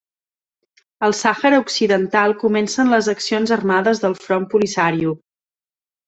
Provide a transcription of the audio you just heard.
Al Sàhara Occidental comencen les accions armades del Front Polisario.